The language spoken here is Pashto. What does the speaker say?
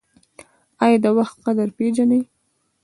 ایا د وخت قدر پیژنئ؟